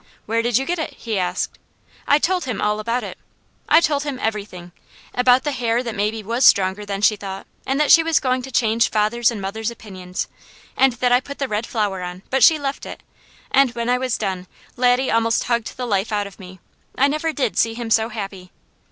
"Where did you get it?" he asked. I told him all about it. I told him everything about the hair that maybe was stronger than she thought, and that she was going to change father's and mother's opinions, and that I put the red flower on, but she left it; and when I was done Laddie almost hugged the life out of me. I never did see him so happy.